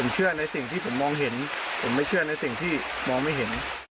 เชื่อในสิ่งที่ผมมองเห็นผมไม่เชื่อในสิ่งที่มองไม่เห็น